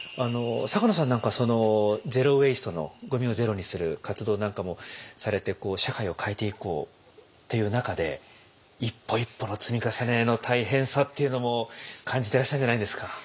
坂野さんなんか「ゼロ・ウェイスト」のゴミをゼロにする活動なんかもされて社会を変えていこうっていう中で一歩一歩の積み重ねの大変さっていうのも感じてらっしゃるんじゃないですか。